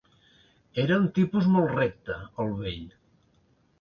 Era un tipus molt recte, el vell.